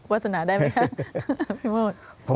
วาสนาได้มั้ยครับ